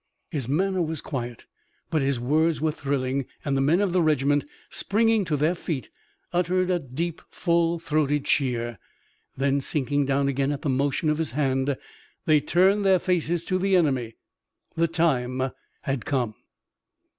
His manner was quiet, but his words were thrilling, and the men of the regiment, springing to their feet, uttered a deep, full throated cheer. Then sinking down again at the motion of his hand, they turned their faces to the enemy. The time had come.